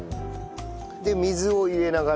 で水を入れながら。